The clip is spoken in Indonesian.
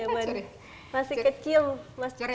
masih kecil mas cikek